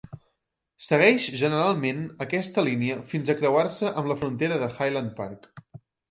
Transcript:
Segueix generalment aquesta línia fins a creuar-se amb la frontera del Highland Park.